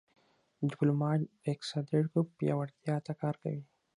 ډيپلومات د اقتصادي اړیکو پیاوړتیا ته کار کوي.